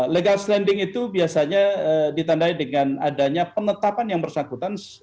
legal standing itu biasanya ditandai dengan adanya penetapan yang bersangkutan